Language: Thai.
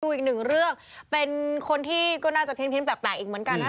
อีกหนึ่งเรื่องเป็นคนที่ก็น่าจะเพี้ยนแปลกอีกเหมือนกันนะ